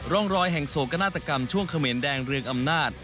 ร่องรอยแห่งโศกนาฏกรรมช่วงเขมรแดงเรืองอำนาจ